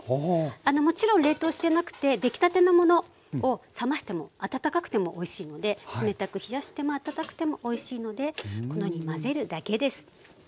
あのもちろん冷凍してなくてできたてのものを冷ましても温かくてもおいしいので冷たく冷やしても温かくてもおいしいのでこのように混ぜるだけです。